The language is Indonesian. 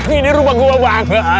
ini rumah gue bang